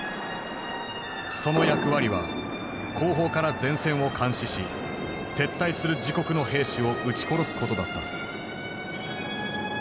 その役割は後方から前線を監視し撤退する自国の兵士を撃ち殺すことだった。